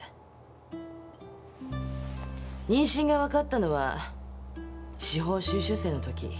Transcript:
妊娠が分かったのは司法修習生のとき。